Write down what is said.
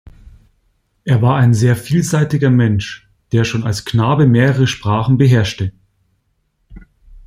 Er war ein sehr vielseitiger Mensch, der schon als Knabe mehrere Sprachen beherrschte.